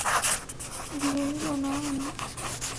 bunge hilo naona ni kwamba hata wajiongezee miaka kumi ni bure